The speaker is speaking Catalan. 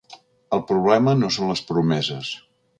El problema no són les promeses.